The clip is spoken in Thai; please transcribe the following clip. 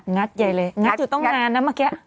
ัดใหญ่เลยงัดอยู่ตั้งนานนะเมื่อกี้